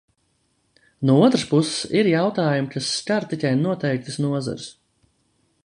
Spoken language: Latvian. No otras puses, ir jautājumi, kas skar tikai noteiktas nozares.